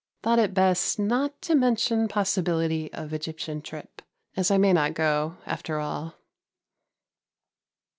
Thought it best not to mention possibility of Egyptian trip, as I may not go, after all.